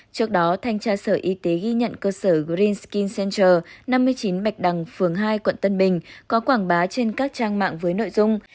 trước đó thanh tra sở y tế ghi nhận cơ sở greenskin center năm mươi chín bạch đằng phường hai quận tân bình có quảng bá trên các trang mạng với nội dung